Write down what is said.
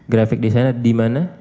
grafik desainer di mana